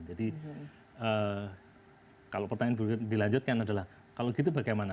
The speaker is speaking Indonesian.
jadi kalau pertanyaan dilanjutkan adalah kalau gitu bagaimana